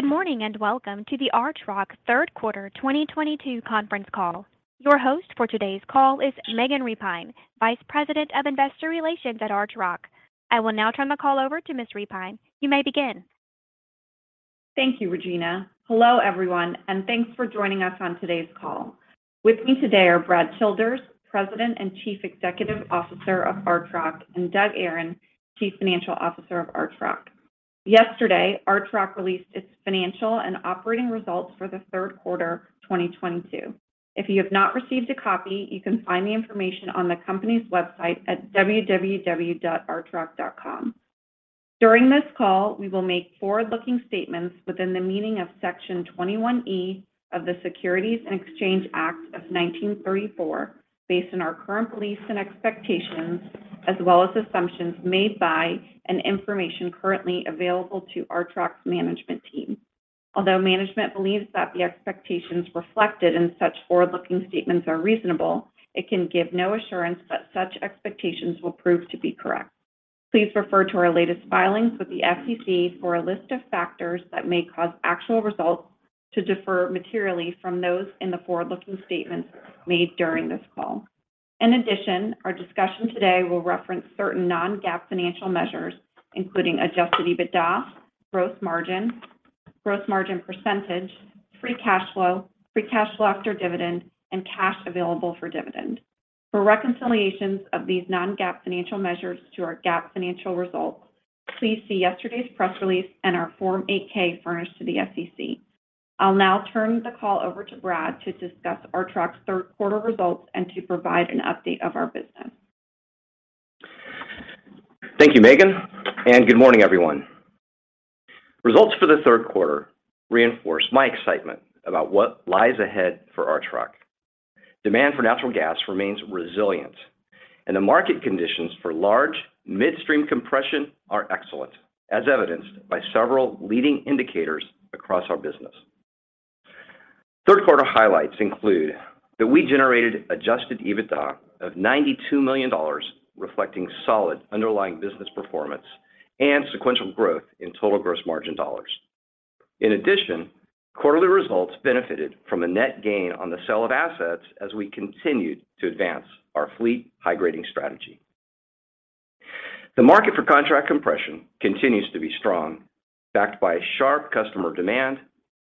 Good morning and welcome to the Archrock third quarter 2022 conference call. Your host for today's call is Megan Repine, Vice President of Investor Relations at Archrock. I will now turn the call over to Ms. Repine. You may begin. Thank you, Regina. Hello, everyone, and thanks for joining us on today's call. With me today are Brad Childers, President and Chief Executive Officer of Archrock, and Doug Aron, Chief Financial Officer of Archrock. Yesterday, Archrock released its financial and operating results for the third quarter 2022. If you have not received a copy, you can find the information on the company's website at www.archrock.com. During this call, we will make forward-looking statements within the meaning of Section 21E of the Securities and Exchange Act of 1934 based on our current beliefs and expectations as well as assumptions made by and information currently available to Archrock's management team. Although management believes that the expectations reflected in such forward-looking statements are reasonable, it can give no assurance that such expectations will prove to be correct. Please refer to our latest filings with the SEC for a list of factors that may cause actual results to differ materially from those in the forward-looking statements made during this call. In addition, our discussion today will reference certain non-GAAP financial measures, including Adjusted EBITDA, gross margin, gross margin percentage, free cash flow, free cash flow after dividend, and cash available for dividend. For reconciliations of these non-GAAP financial measures to our GAAP financial results, please see yesterday's press release and our Form 8-K furnished to the SEC. I'll now turn the call over to Brad to discuss Archrock's third quarter results and to provide an update of our business. Thank you, Megan, and good morning, everyone. Results for the third quarter reinforce my excitement about what lies ahead for Archrock. Demand for natural gas remains resilient, and the market conditions for large midstream compression are excellent, as evidenced by several leading indicators across our business. Third quarter highlights include that we generated Adjusted EBITDA of $92 million, reflecting solid underlying business performance and sequential growth in total gross margin dollars. In addition, quarterly results benefited from a net gain on the sale of assets as we continued to advance our fleet high-grading strategy. The market for contract compression continues to be strong, backed by sharp customer demand,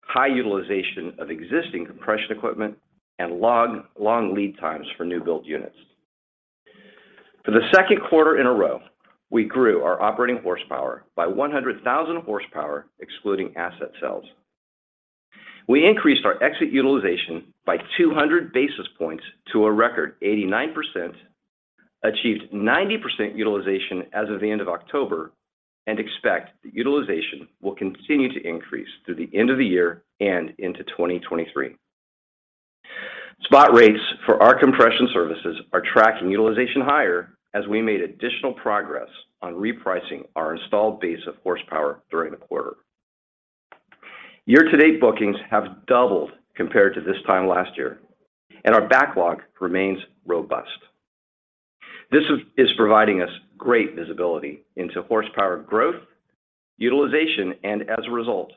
high utilization of existing compression equipment, and long, long lead times for new build units. For the second quarter in a row, we grew our operating horsepower by 100,000 horsepower, excluding asset sales. We increased our exit utilization by 200 basis points to a record 89%, achieved 90% utilization as of the end of October, and expect the utilization will continue to increase through the end of the year and into 2023. Spot rates for our compression services are tracking utilization higher as we made additional progress on repricing our installed base of horsepower during the quarter. Year-to-date bookings have doubled compared to this time last year, and our backlog remains robust. This is providing us great visibility into horsepower growth, utilization, and as a result,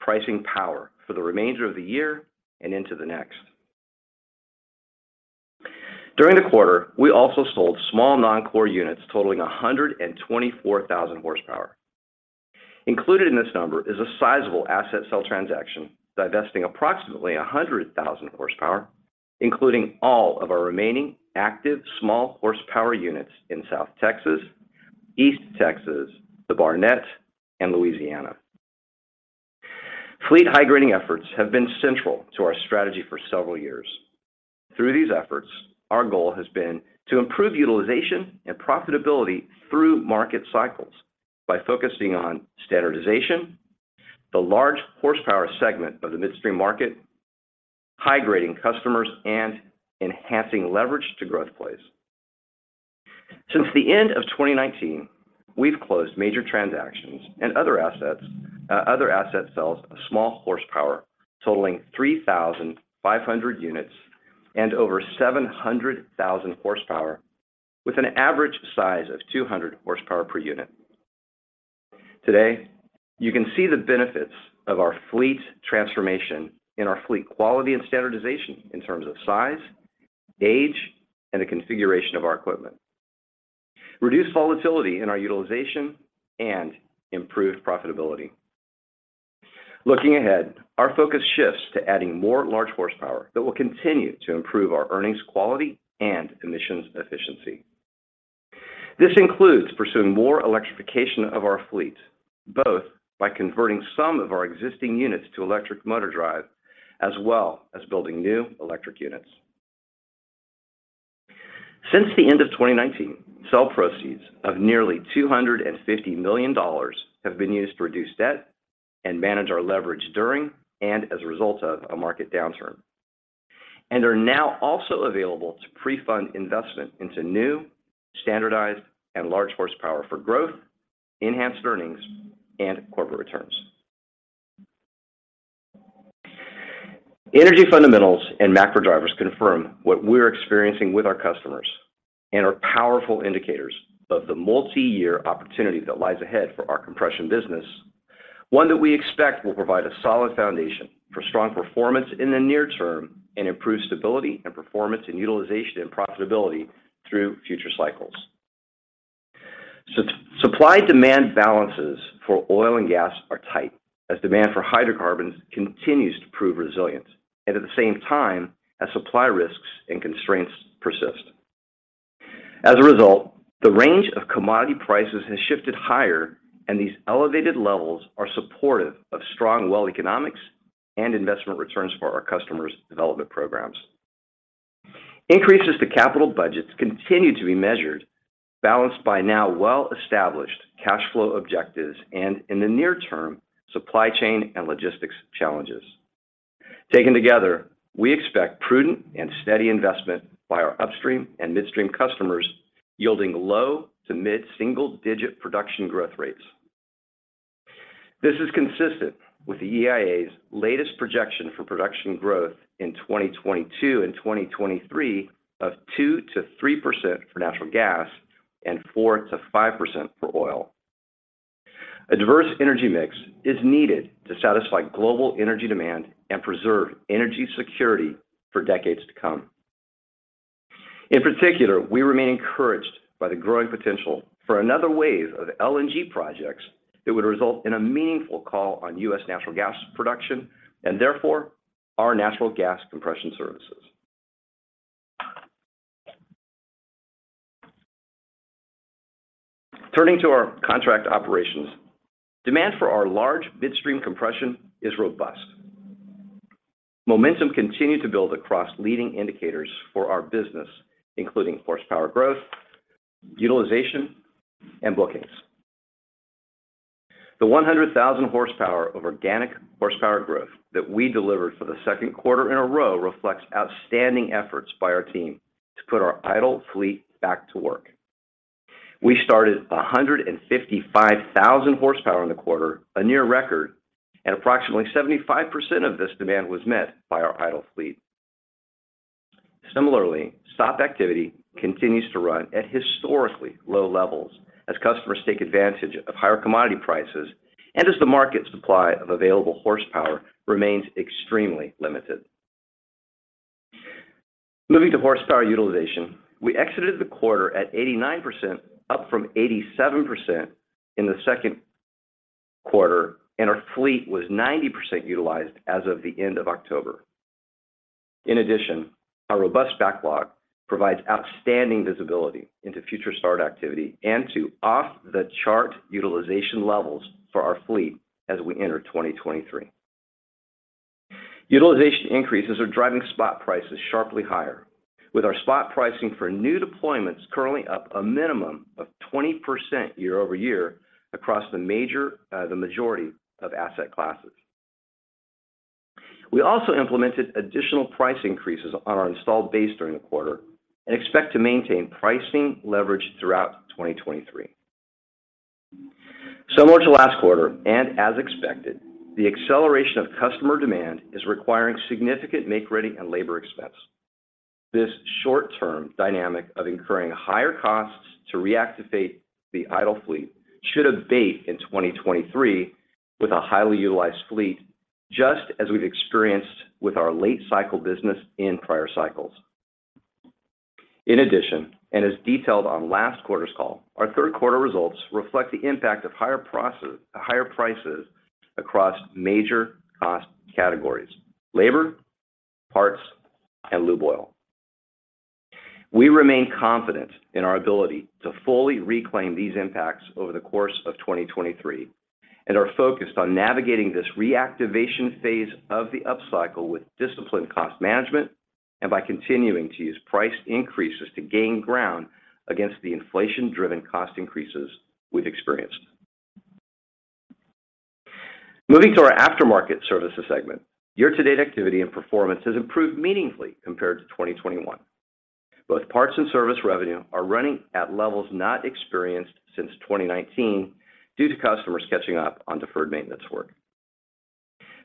pricing power for the remainder of the year and into the next. During the quarter, we also sold small non-core units totaling 124,000 horsepower. Included in this number is a sizable asset sale transaction, divesting approximately 100,000 horsepower, including all of our remaining active small horsepower units in South Texas, East Texas, the Barnett, and Louisiana. Fleet high-grading efforts have been central to our strategy for several years. Through these efforts, our goal has been to improve utilization and profitability through market cycles by focusing on standardization, the large horsepower segment of the midstream market, high-grading customers, and enhancing leverage to growth plays. Since the end of 2019, we've closed major transactions and other asset sales of small horsepower totaling 3,500 units and over 700,000 horsepower with an average size of 200 horsepower per unit. Today, you can see the benefits of our fleet transformation in our fleet quality and standardization in terms of size, age, and the configuration of our equipment, reduced volatility in our utilization, and improved profitability. Looking ahead, our focus shifts to adding more large horsepower that will continue to improve our earnings quality and emissions efficiency. This includes pursuing electrification of our fleet, both by converting some of our existing units to electric motor drive as well as building new electric units. Since the end of 2019, sale proceeds of nearly $250 million have been used to reduce debt and manage our leverage during and as a result of a market downturn, and are now also available to pre-fund investment into new, standardized, and large horsepower for growth, enhanced earnings, and corporate returns. Energy fundamentals and macro drivers confirm what we're experiencing with our customers and are powerful indicators of the multi-year opportunity that lies ahead for our compression business, one that we expect will provide a solid foundation for strong performance in the near term and improve stability and performance and utilization and profitability through future cycles. Supply-demand balances for oil and gas are tight as demand for hydrocarbons continues to prove resilient and at the same time as supply risks and constraints persist. As a result, the range of commodity prices has shifted higher, and these elevated levels are supportive of strong well economics and investment returns for our customers' development programs. Increases to capital budgets continue to be measured, balanced by now well-established cash flow objectives and, in the near term, supply chain and logistics challenges. Taken together, we expect prudent and steady investment by our upstream and midstream customers, yielding low to mid-single-digit production growth rates. This is consistent with the EIA's latest projection for production growth in 2022 and 2023 of 2%-3% for natural gas and 4%-5% for oil. A diverse energy mix is needed to satisfy global energy demand and preserve energy security for decades to come. In particular, we remain encouraged by the growing potential for another wave of LNG projects that would result in a meaningful call on U.S. natural gas production and therefore our natural gas compression services. Turning to our contract operations, demand for our large midstream compression is robust. Momentum continued to build across leading indicators for our business, including horsepower growth, utilization, and bookings. The 100,000 horsepower of organic horsepower growth that we delivered for the second quarter in a row reflects outstanding efforts by our team to put our idle fleet back to work. We started 155,000 horsepower in the quarter, a near record, and approximately 75% of this demand was met by our idle fleet. Similarly, stop activity continues to run at historically low levels as customers take advantage of higher commodity prices and as the market supply of available horsepower remains extremely limited. Moving to horsepower utilization, we exited the quarter at 89%, up from 87% in the second quarter, and our fleet was 90% utilized as of the end of October. In addition, our robust backlog provides outstanding visibility into future start activity and to off-the-chart utilization levels for our fleet as we enter 2023. Utilization increases are driving spot prices sharply higher, with our spot pricing for new deployments currently up a minimum of 20% year-over-year across the majority of asset classes. We also implemented additional price increases on our installed base during the quarter and expect to maintain pricing leverage throughout 2023. Similar to last quarter, and as expected, the acceleration of customer demand is requiring significant make-ready and labor expense. This short-term dynamic of incurring higher costs to reactivate the idle fleet should abate in 2023 with a highly utilized fleet, just as we've experienced with our late cycle business in prior cycles. In addition, and as detailed on last quarter's call, our third quarter results reflect the impact of higher prices across major cost categories, labor, parts, and lube oil. We remain confident in our ability to fully reclaim these impacts over the course of 2023 and are focused on navigating this reactivation phase of the upcycle with disciplined cost management and by continuing to use price increases to gain ground against the inflation-driven cost increases we've experienced. Moving to our Aftermarket Services segment. Year-to-date activity and performance has improved meaningfully compared to 2021. Both parts and service revenue are running at levels not experienced since 2019 due to customers catching up on deferred maintenance work.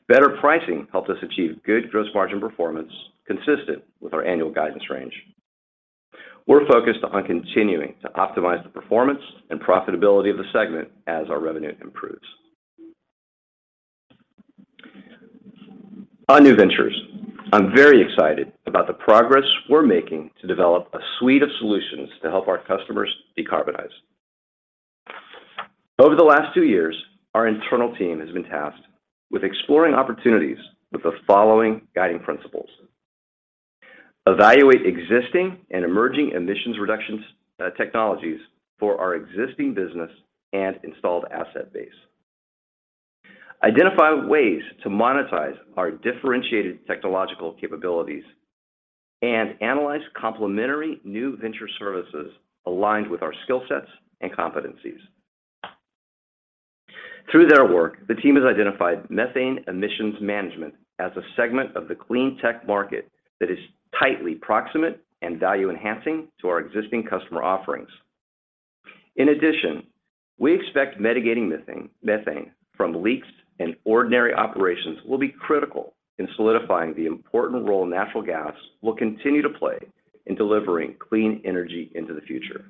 Better pricing helped us achieve good gross margin performance consistent with our annual guidance range. We're focused on continuing to optimize the performance and profitability of the segment as our revenue improves. On new ventures, I'm very excited about the progress we're making to develop a suite of solutions to help our customers decarbonize. Over the last two years, our internal team has been tasked with exploring opportunities with the following guiding principles. Evaluate existing and emerging emissions reductions technologies for our existing business and installed asset base. Identify ways to monetize our differentiated technological capabilities and analyze complementary new venture services aligned with our skill sets and competencies. Through their work, the team has identified methane emissions management as a segment of the clean tech market that is tightly proximate and value-enhancing to our existing customer offerings. In addition, we expect mitigating methane from leaks and ordinary operations will be critical in solidifying the important role natural gas will continue to play in delivering clean energy into the future.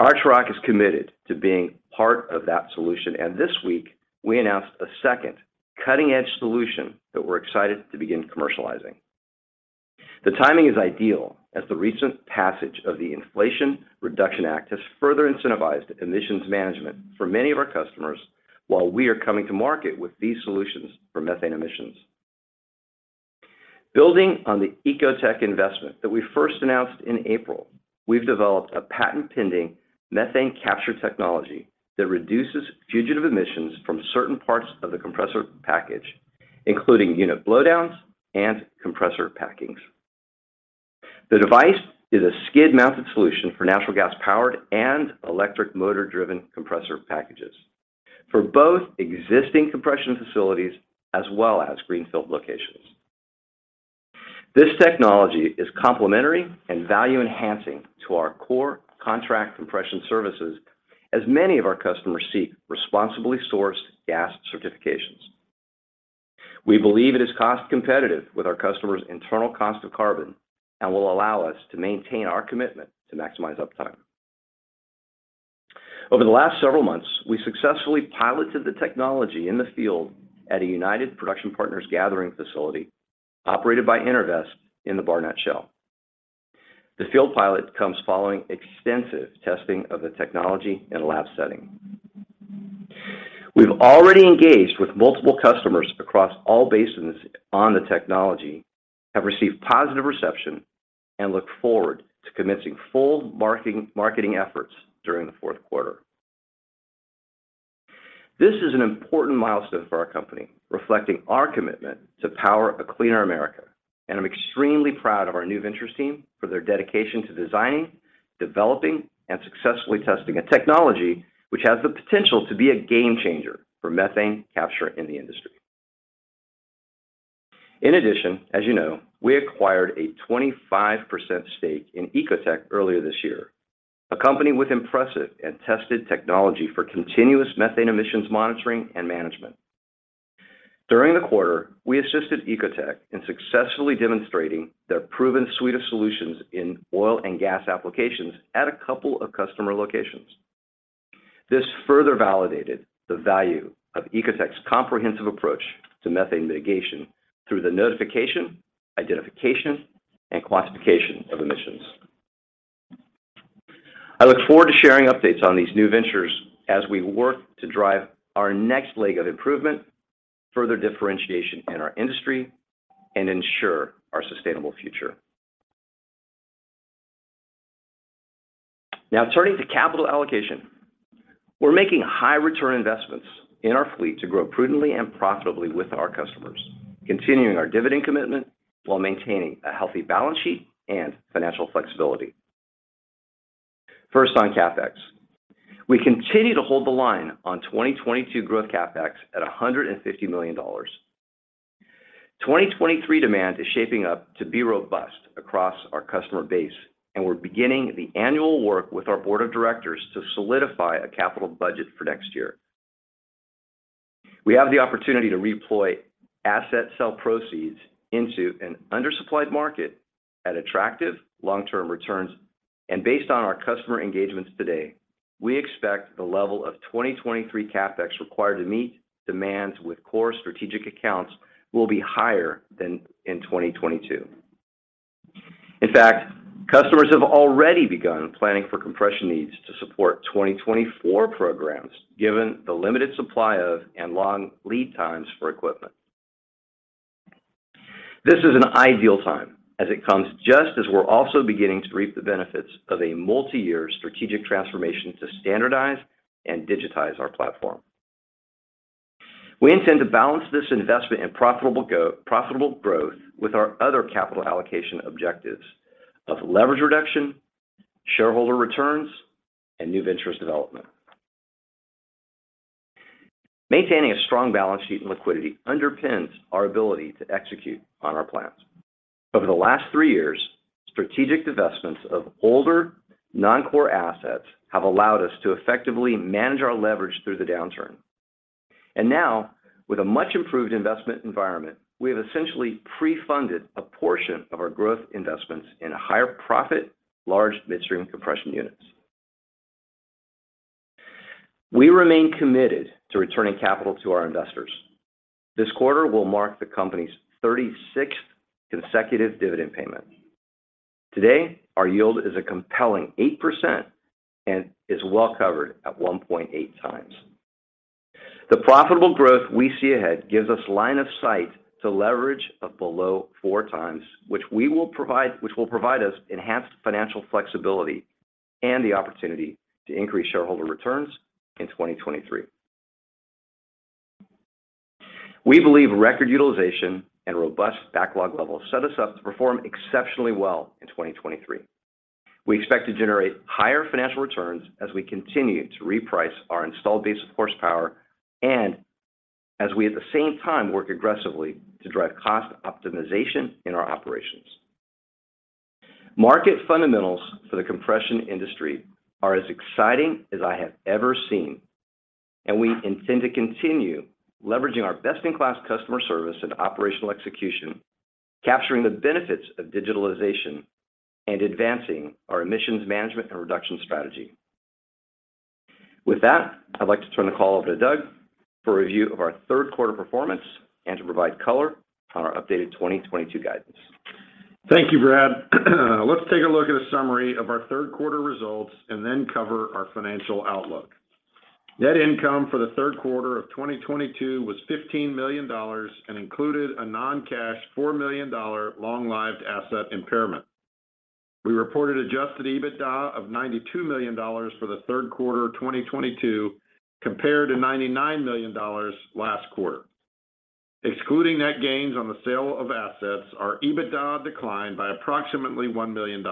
Archrock is committed to being part of that solution, and this week, we announced a second cutting-edge solution that we're excited to begin commercializing. The timing is ideal as the recent passage of the Inflation Reduction Act has further incentivized emissions management for many of our customers while we are coming to market with these solutions for methane emissions. Building on the ECOTEC investment that we first announced in April, we've developed a patent-pending methane capture technology that reduces fugitive emissions from certain parts of the compressor package, including unit blowdowns and compressor packings. The device is a skid-mounted solution for natural gas-powered and electric motor-driven compressor packages for both existing compression facilities as well as greenfield locations. This technology is complementary and value-enhancing to our core contract compression services as many of our customers seek responsibly sourced gas certifications. We believe it is cost-competitive with our customers' internal cost of carbon and will allow us to maintain our commitment to maximize uptime. Over the last several months, we successfully piloted the technology in the field at a United Production Partners gathering facility operated by EnerVest in the Barnett Shale. The field pilot comes following extensive testing of the technology in a lab setting. We've already engaged with multiple customers across all basins on the technology, have received positive reception, and look forward to commencing full marketing efforts during the fourth quarter. This is an important milestone for our company, reflecting our commitment to power a cleaner America, and I'm extremely proud of our new venture team for their dedication to designing, developing, and successfully testing a technology which has the potential to be a game-changer for methane capture in the industry. In addition, as you know, we acquired a 25% stake in ECOTEC earlier this year, a company with impressive and tested technology for continuous methane emissions monitoring and management. During the quarter, we assisted ECOTEC in successfully demonstrating their proven suite of solutions in oil and gas applications at a couple of customer locations. This further validated the value of ECOTEC's comprehensive approach to methane mitigation through the notification, identification, and quantification of emissions. I look forward to sharing updates on these new ventures as we work to drive our next leg of improvement, further differentiation in our industry, and ensure our sustainable future. Now turning to capital allocation. We're making high-return investments in our fleet to grow prudently and profitably with our customers, continuing our dividend commitment while maintaining a healthy balance sheet and financial flexibility. First, on CapEx. We continue to hold the line on 2022 growth CapEx at $150 million. 2023 demand is shaping up to be robust across our customer base, and we're beginning the annual work with our board of directors to solidify a capital budget for next year. We have the opportunity to redeploy asset sell proceeds into an undersupplied market at attractive long-term returns. Based on our customer engagements today, we expect the level of 2023 CapEx required to meet demands with core strategic accounts will be higher than in 2022. In fact, customers have already begun planning for compression needs to support 2024 programs given the limited supply of and long lead times for equipment. This is an ideal time as it comes just as we're also beginning to reap the benefits of a multiyear strategic transformation to standardize and digitize our platform. We intend to balance this investment in profitable growth with our other capital allocation objectives of leverage reduction, shareholder returns, and new ventures development. Maintaining a strong balance sheet and liquidity underpins our ability to execute on our plans. Over the last 3 years, strategic divestments of older non-core assets have allowed us to effectively manage our leverage through the downturn. Now, with a much improved investment environment, we have essentially pre-funded a portion of our growth investments in higher-profit, large midstream compression units. We remain committed to returning capital to our investors. This quarter will mark the company's 36th consecutive dividend payment. Today, our yield is a compelling 8% and is well covered at 1.8 times. The profitable growth we see ahead gives us line of sight to leverage of below 4 times, which will provide us enhanced financial flexibility and the opportunity to increase shareholder returns in 2023. We believe record utilization and robust backlog levels set us up to perform exceptionally well in 2023. We expect to generate higher financial returns as we continue to reprice our installed base of horsepower and as we at the same time work aggressively to drive cost optimization in our operations. Market fundamentals for the compression industry are as exciting as I have ever seen, and we intend to continue leveraging our best-in-class customer service and operational execution, capturing the benefits of digitalization and advancing our emissions management and reduction strategy. With that, I'd like to turn the call over to Doug for a review of our third quarter performance and to provide color on our updated 2022 guidance. Thank you, Brad. Let's take a look at a summary of our third quarter results and then cover our financial outlook. Net income for the third quarter of 2022 was $15 million and included a non-cash $4 million long-lived asset impairment. We reported Adjusted EBITDA of $92 million for the third quarter of 2022 compared to $99 million last quarter. Excluding net gains on the sale of assets, our EBITDA declined by approximately $1 million.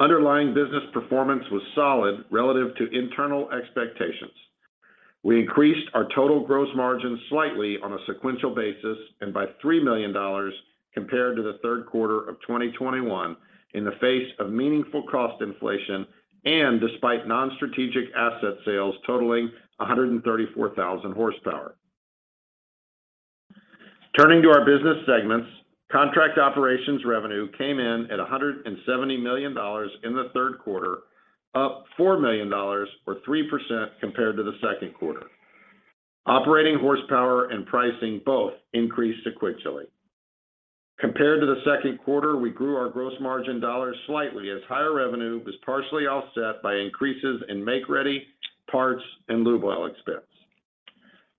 Underlying business performance was solid relative to internal expectations. We increased our total gross margin slightly on a sequential basis and by $3 million compared to the third quarter of 2021 in the face of meaningful cost inflation and despite non-strategic asset sales totaling 134,000 horsepower. Turning to our business segments, Contract Operations revenue came in at $170 million in the third quarter, up $4 million or 3% compared to the second quarter. Operating horsepower and pricing both increased sequentially. Compared to the second quarter, we grew our gross margin dollars slightly as higher revenue was partially offset by increases in make-ready parts and lube oil expense.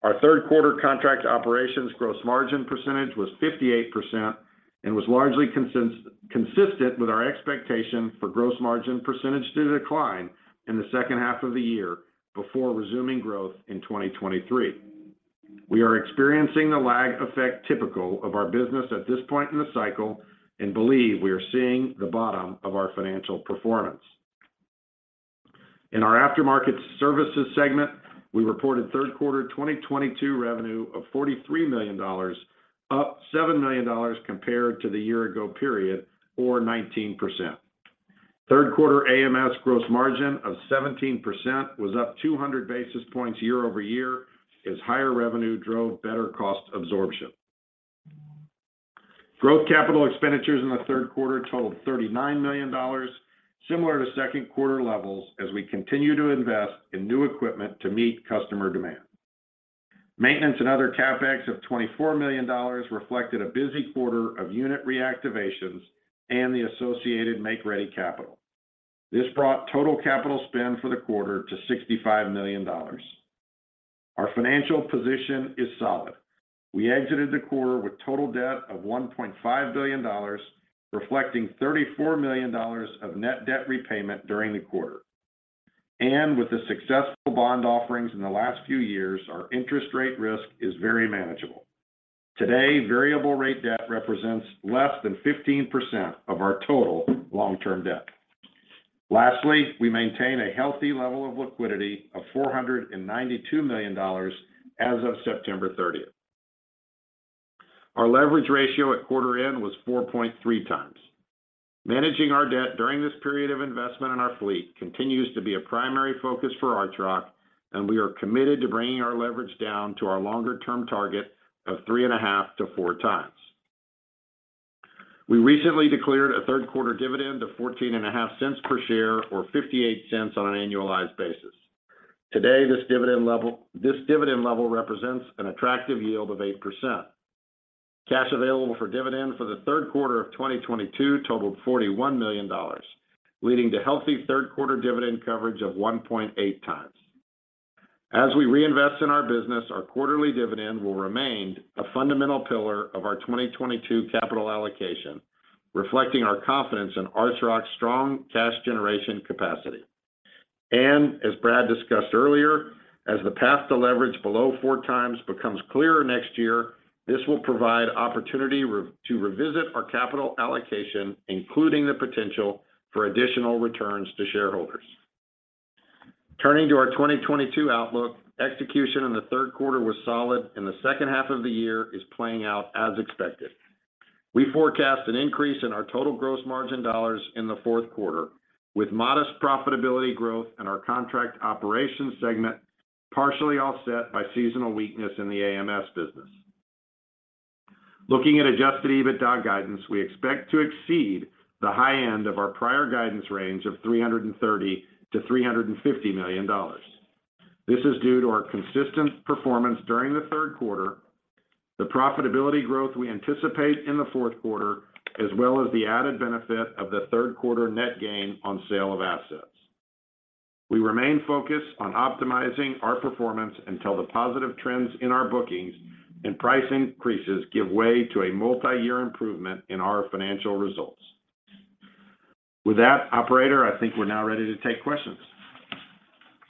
Our third quarter Contract Operations gross margin percentage was 58% and was largely consistent with our expectation for gross margin percentage to decline in the second half of the year before resuming growth in 2023. We are experiencing the lag effect typical of our business at this point in the cycle and believe we are seeing the bottom of our financial performance. In our Aftermarket Services segment, we reported third quarter 2022 revenue of $43 million, up $7 million compared to the year ago period or 19%. Third quarter AMS gross margin of 17% was up 200 basis points year-over-year as higher revenue drove better cost absorption. Growth capital expenditures in the third quarter totaled $39 million, similar to second quarter levels as we continue to invest in new equipment to meet customer demand. Maintenance and other CapEx of $24 million reflected a busy quarter of unit reactivations and the associated make-ready capital. This brought total capital spend for the quarter to $65 million. Our financial position is solid. We exited the quarter with total debt of $1.5 billion, reflecting $34 million of net debt repayment during the quarter. With the successful bond offerings in the last few years, our interest rate risk is very manageable. Today, variable rate debt represents less than 15% of our total long-term debt. Lastly, we maintain a healthy level of liquidity of $492 million as of September 30. Our leverage ratio at quarter end was 4.3x. Managing our debt during this period of investment in our fleet continues to be a primary focus for Archrock, and we are committed to bringing our leverage down to our longer-term target of 3.5-4x. We recently declared a third quarter dividend of $0.145 per share or $0.58 on an annualized basis. Today, this dividend level represents an attractive yield of 8%. Cash available for dividend for the third quarter of 2022 totaled $41 million, leading to healthy third quarter dividend coverage of 1.8x. As we reinvest in our business, our quarterly dividend will remain a fundamental pillar of our 2022 capital allocation, reflecting our confidence in Archrock's strong cash generation capacity. As Brad discussed earlier, as the path to leverage below 4x becomes clearer next year, this will provide opportunity to revisit our capital allocation, including the potential for additional returns to shareholders. Turning to our 2022 outlook, execution in the third quarter was solid, and the second half of the year is playing out as expected. We forecast an increase in our total gross margin dollars in the fourth quarter, with modest profitability growth in our contract operations segment, partially offset by seasonal weakness in the AMS business. Looking at Adjusted EBITDA guidance, we expect to exceed the high end of our prior guidance range of $330 million-$350 million. This is due to our consistent performance during the third quarter, the profitability growth we anticipate in the fourth quarter, as well as the added benefit of the third quarter net gain on sale of assets. We remain focused on optimizing our performance until the positive trends in our bookings and price increases give way to a multi-year improvement in our financial results. With that, operator, I think we're now ready to take questions.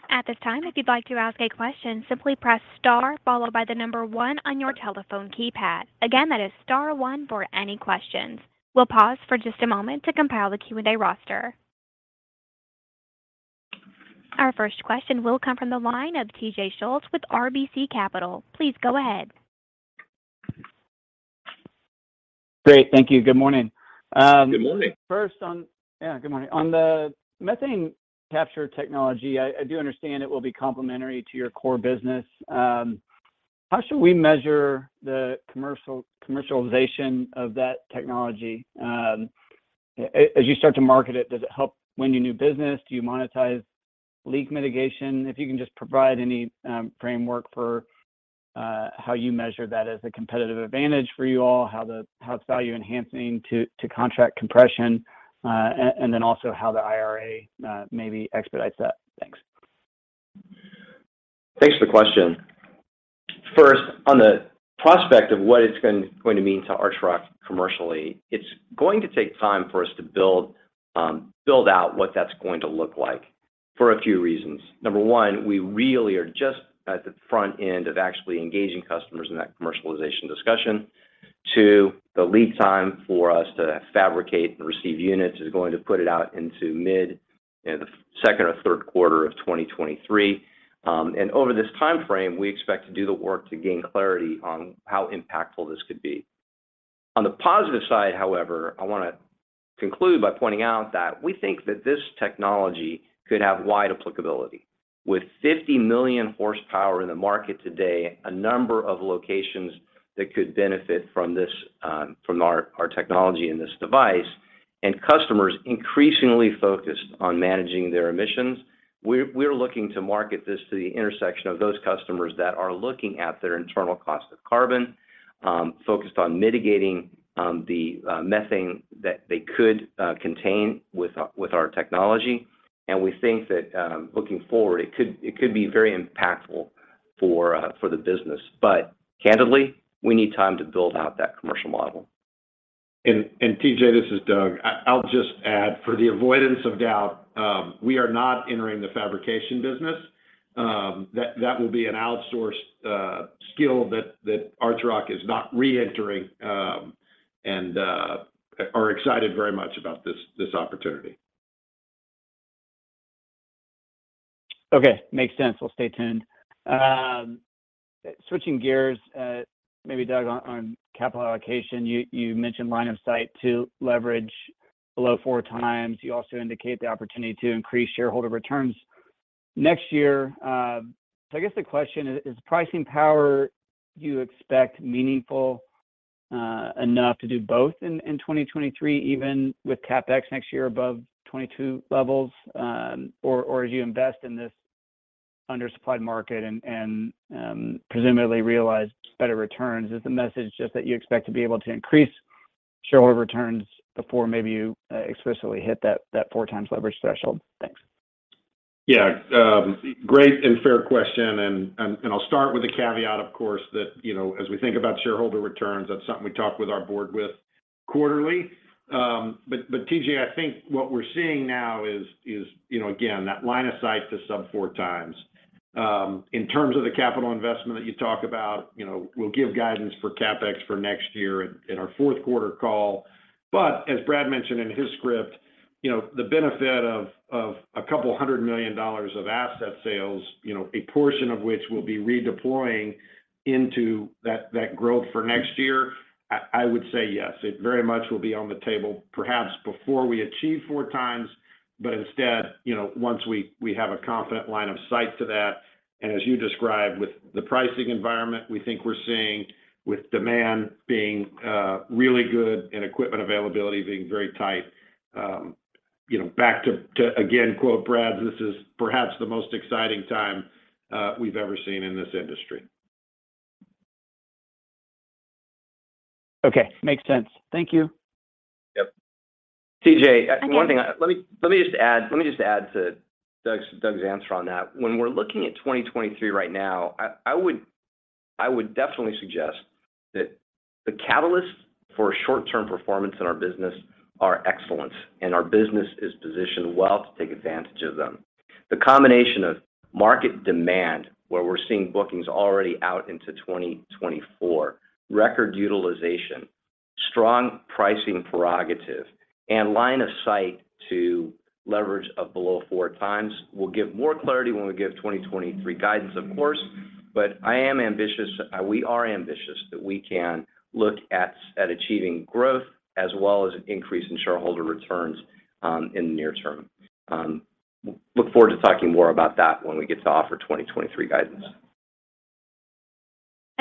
At this time, if you'd like to ask a question, simply press star followed by the number one on your telephone keypad. Again, that is star one for any questions. We'll pause for just a moment to compile the Q&A roster. Our first question will come from the line of TJ Schultz with RBC Capital. Please go ahead. Great. Thank you. Good morning. Good morning. Yeah, good morning. On the methane capture technology, I do understand it will be complementary to your core business. How should we measure the commercialization of that technology? As you start to market it, does it help win you new business? Do you monetize leak mitigation? If you can just provide any framework for how you measure that as a competitive advantage for you all, how it's value enhancing to contract compression, and then also how the IRA maybe expedites that. Thanks. Thanks for the question. First, on the prospect of what it's going to mean to Archrock commercially, it's going to take time for us to build out what that's going to look like for a few reasons. Number one, we really are just at the front end of actually engaging customers in that commercialization discussion. Two, the lead time for us to fabricate and receive units is going to put it out into mid the second or third quarter of 2023. And over this timeframe, we expect to do the work to gain clarity on how impactful this could be. On the positive side, however, I wanna conclude by pointing out that we think that this technology could have wide applicability. With 50 million horsepower in the market today, a number of locations that could benefit from this, from our technology and this device, and customers increasingly focused on managing their emissions. We're looking to market this to the intersection of those customers that are looking at their internal cost of carbon, focused on mitigating, the methane that they could contain with our technology. We think that, looking forward, it could be very impactful for the business. Candidly, we need time to build out that commercial model. TJ Schultz, this is Doug Aron. I'll just add, for the avoidance of doubt, we are not entering the fabrication business. That will be an outsourced skill that Archrock is not re-entering, and are excited very much about this opportunity. Okay. Makes sense. We'll stay tuned. Switching gears, maybe Doug, on capital allocation, you mentioned line of sight to leverage below 4x. You also indicate the opportunity to increase shareholder returns next year. I guess the question is, do you expect meaningful enough to do both in 2023, even with CapEx next year above 2022 levels? Or as you invest in this undersupplied market and presumably realize better returns, is the message just that you expect to be able to increase shareholder returns before maybe you explicitly hit that 4x leverage threshold? Thanks. Yeah. Great and fair question, and I'll start with the caveat, of course, that you know, as we think about shareholder returns, that's something we talk with our board quarterly. TJ, I think what we're seeing now is, you know, again, that line of sight to sub-4x. In terms of the capital investment that you talk about, you know, we'll give guidance for CapEx for next year in our fourth quarter call. As Brad mentioned in his script, you know, the benefit of $200 million of asset sales, you know, a portion of which we'll be redeploying into that growth for next year, I would say yes. It very much will be on the table perhaps before we achieve 4x, but instead, you know, once we have a confident line of sight to that. As you described with the pricing environment we think we're seeing with demand being really good and equipment availability being very tight, you know, back to again quote Brad, this is perhaps the most exciting time we've ever seen in this industry. Okay. Makes sense. Thank you. Yep. TJ, one thing. Again- Let me just add to Doug's answer on that. When we're looking at 2023 right now, I would definitely suggest that the catalysts for short-term performance in our business are excellence, and our business is positioned well to take advantage of them. The combination of market demand, where we're seeing bookings already out into 2024, record utilization, strong pricing prerogative, and line of sight to leverage of below 4x. We'll give more clarity when we give 2023 guidance, of course, but I am ambitious, we are ambitious that we can look at achieving growth as well as increase in shareholder returns, in the near term. Look forward to talking more about that when we get to our 2023 guidance.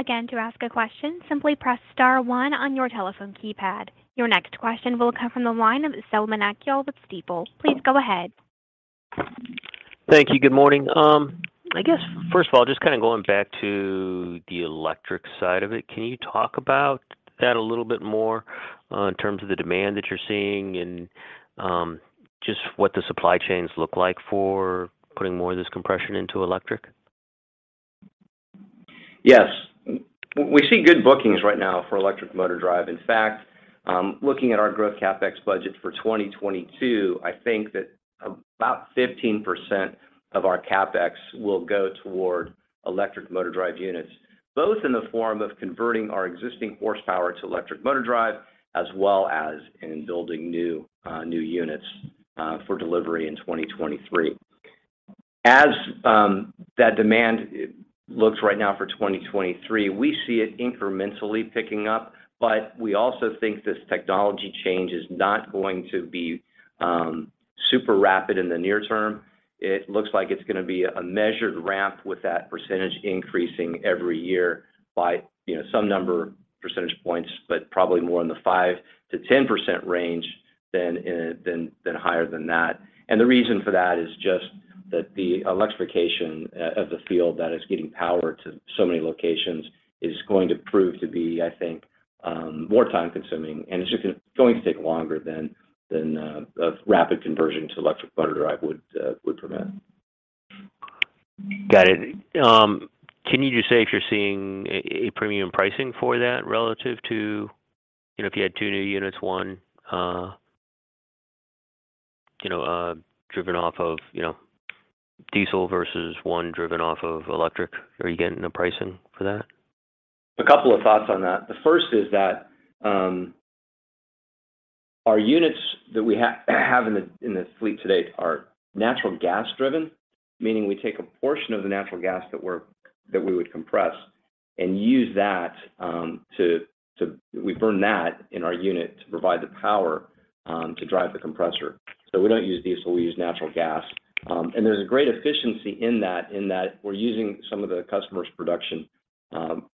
Again, to ask a question, simply press star one on your telephone keypad. Your next question will come from the line of Selman Akyol with Stifel. Please go ahead. Thank you. Good morning. I guess first of all, just kind of going back to the electric side of it, can you talk about that a little bit more, in terms of the demand that you're seeing and, just what the supply chains look like for putting more of this compression into electric? Yes. We see good bookings right now for electric motor drive. In fact, looking at our growth CapEx budget for 2022, I think that about 15% of our CapEx will go toward electric motor drive units, both in the form of converting our existing horsepower to electric motor drive as well as in building new units for delivery in 2023. As that demand looks right now for 2023, we see it incrementally picking up, but we also think this technology change is not going to be super rapid in the near term. It looks like it's gonna be a measured ramp with that percentage increasing every year by some number percentage points, but probably more in the 5%-10% range than higher than that. The reason for that is just that the electrification of the field that is getting power to so many locations is going to prove to be, I think, more time-consuming, and it's just going to take longer than a rapid conversion to electric motor drive would prevent. Got it. Can you just say if you're seeing a premium pricing for that relative to, you know, if you had two new units, one, you know, driven off of, you know, diesel versus one driven off of electric? Are you getting a pricing for that? A couple of thoughts on that. The first is that, our units that we have in the fleet today are natural gas driven, meaning we take a portion of the natural gas that we would compress and use that to. We burn that in our unit to provide the power to drive the compressor. So we don't use diesel, we use natural gas. There's a great efficiency in that we're using some of the customer's production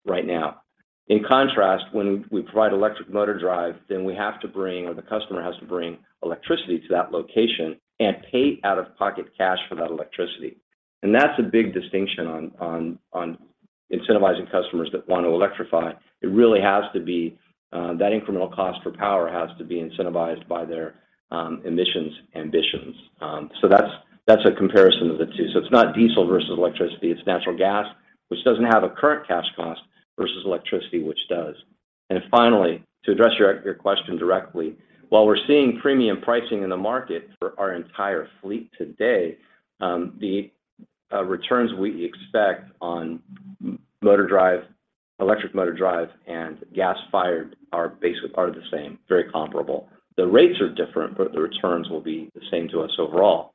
right now. In contrast, when we provide electric motor drive, then we have to bring, or the customer has to bring electricity to that location and pay out-of-pocket cash for that electricity. That's a big distinction on incentivizing customers that want to electrify. It really has to be that incremental cost for power has to be incentivized by their emissions ambitions. That's a comparison of the two. It's not diesel versus electricity, it's natural gas, which doesn't have a current cash cost versus electricity, which does. Finally, to address your question directly, while we're seeing premium pricing in the market for our entire fleet today, the returns we expect on motor drive, electric motor drive and gas-fired are basically the same, very comparable. The rates are different, but the returns will be the same to us overall.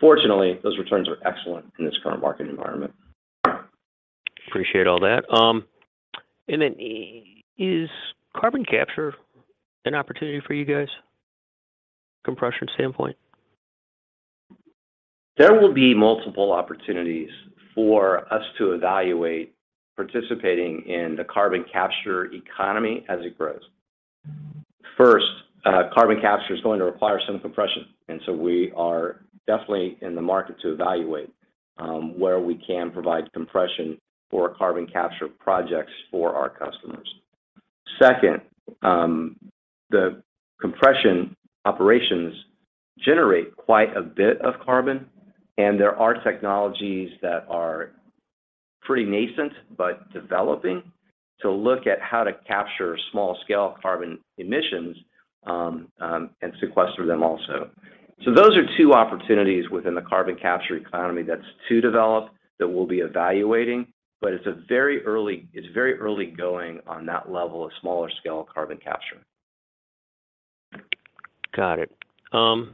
Fortunately, those returns are excellent in this current market environment. Appreciate all that. Is carbon capture an opportunity for you guys from a compression standpoint? There will be multiple opportunities for us to evaluate participating in the carbon capture economy as it grows. First, carbon capture is going to require some compression, and so we are definitely in the market to evaluate where we can provide compression for carbon capture projects for our customers. Second, the compression operations generate quite a bit of carbon, and there are technologies that are pretty nascent but developing to look at how to capture small scale carbon emissions and sequester them also. Those are two opportunities within the carbon capture economy that's to develop that we'll be evaluating, but it's very early going on that level of smaller scale carbon capture. Got it. That'll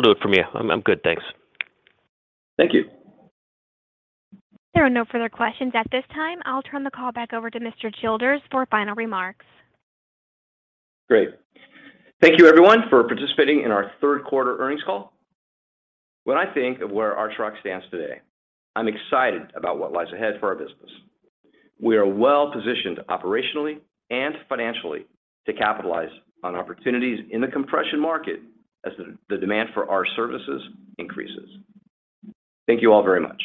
do it for me. I'm good. Thanks. Thank you. There are no further questions at this time. I'll turn the call back over to Mr. Childers for final remarks. Great. Thank you everyone for participating in our third quarter earnings call. When I think of where Archrock stands today, I'm excited about what lies ahead for our business. We are well positioned operationally and financially to capitalize on opportunities in the compression market as the demand for our services increases. Thank you all very much.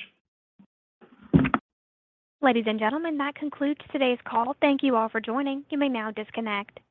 Ladies and gentlemen, that concludes today's call. Thank you all for joining. You may now disconnect.